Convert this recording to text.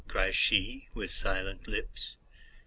cries sheWith silent lips.